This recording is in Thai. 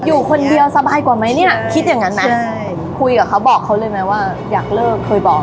อยู่คนเดียวสบายกว่าไหมเนี่ยคิดอย่างงั้นนะคุยกับเขาบอกเขาเลยไหมว่าอยากเลิกเคยบอก